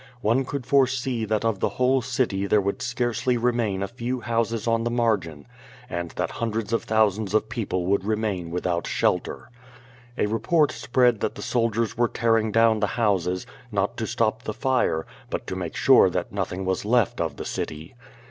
One could foresee that of the whole city there would scarcely remain a few houses on the margin and that hundreds of thousands of people would remain with out shelter. A report spread that the soldiers were tearing down the houses^ not to stop the fire, but to make sure that nothing was left of the city.